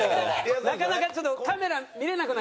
なかなかちょっとカメラ見れなくなっちゃったね。